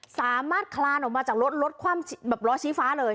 คลานออกมาจากรถรถคว่ำแบบล้อชี้ฟ้าเลย